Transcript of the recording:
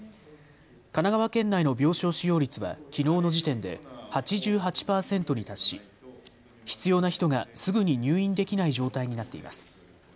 神奈川県内の病床使用率はきのうの時点で８８％に達し、必要な人がすぐに入院できない状態になっています。